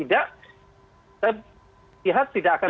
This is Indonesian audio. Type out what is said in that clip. saya lihat tidak akan